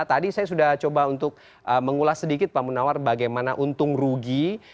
tadi saya sudah coba untuk mengulas sedikit pak munawar bagaimana untung rugi